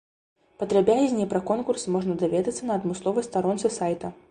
Падрабязней пра конкурс можна даведацца на адмысловай старонцы сайта.